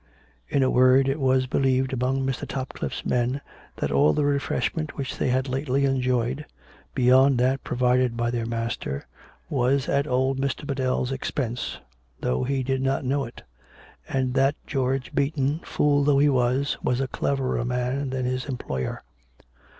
In a word it was believed among Mr. Top cliff e's men that all the refreshment which they had lately enjoyed, beyond that provided by their master, was at old Mr. Biddell's expense, though he did not know it, and 252 COME RACK! COME ROPE! that George Beaton, fool though he was, was a cleverer man than his employer.